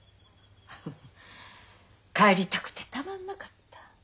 フフ帰りたくてたまんなかった。